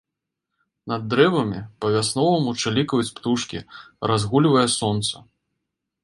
Над дрэвамі па-вясноваму чылікаюць птушкі, разгульвае сонца.